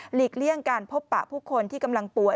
เลี่ยงการพบปะผู้คนที่กำลังป่วย